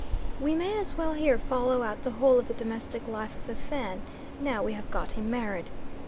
We may as well here follow out the whole of the domestic life of the Fan, now we have got him married.